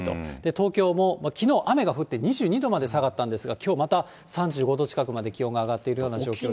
東京もきのう雨が降って２２度まで下がったんですが、きょうまた３５度近くまで気温が上がっているような状況ですね。